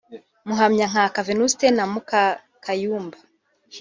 Muhamyankaka Venuste na Mukakayumba